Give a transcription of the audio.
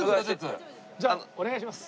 じゃあお願いします。